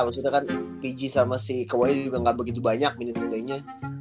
maksudnya kan pg sama si kowai juga gak begitu banyak minute playnya